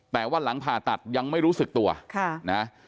แต่ว่าหลังผ่าตัดยังไม่รู้สึกตัวค่ะนะ